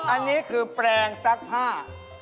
อันนี้คือแปลงซักผ้า